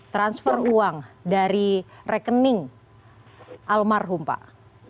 transfer uang dari rekening almarhum pak